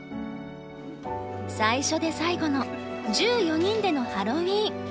最初で最後の１４人でのハロウィーン。